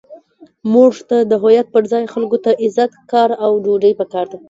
موږ ته د هویت پر ځای خلکو ته عزت، کار، او ډوډۍ پکار ده.